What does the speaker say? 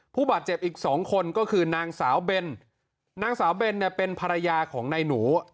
ผู้บาดเจ็บอีกสองคนก็คือนางสาวเบนนางสาวเบนเนี่ยเป็นภรรยาของนายหนู